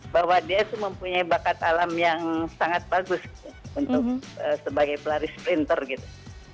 bahwa dia itu mempunyai bakat alam yang sangat bagus untuk sebagai pelari sprinter gitu